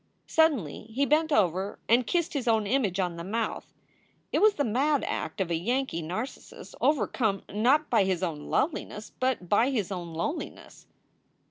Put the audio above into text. Suddenly he bent over and kissed his own image on the mouth. It was the mad act of a Yankee Narcissus over come not by his own loveliness, but by his own loneliness.